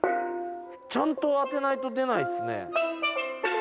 ちゃんと当てないと出ないっすね。